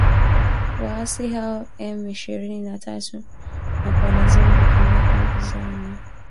waasi hao wa M ishirni na tatu na kuwalazimu kukimbia kambi zao na